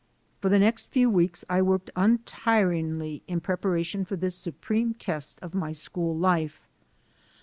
For the next few weeks I worked untiringly in preparation for this supreme test of my school life.